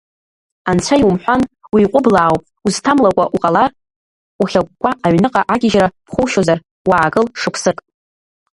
Анцәа иумҳәан, иуҟәыблаауп, узҭамлакәа уҟалар, ухьагәгәа аҩныҟа агьежьра ԥхоушьозар, уаагыл шықәсык.